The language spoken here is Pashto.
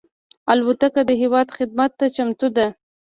الوتکه د هېواد خدمت ته چمتو ده.